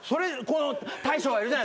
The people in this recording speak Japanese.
大将がいるじゃないですか。